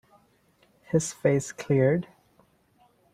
His face cleared.